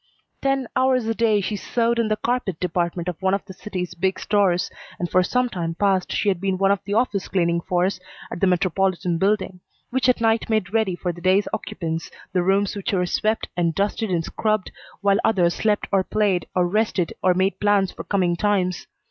Ten hours a day she sewed in the carpet department of one of the city's big stores, and for some time past she had been one of the office cleaning force of the Metropolitan Building, which at night made ready for the day's occupants the rooms which were swept and dusted and scrubbed while others slept or played, or rested or made plans for coming times.